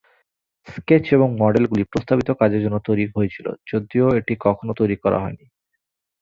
Sketch এবং মডেলগুলি প্রস্তাবিত কাজের জন্য তৈরি হয়েছিল, যদিও এটি কখনও তৈরি করা হয়নি।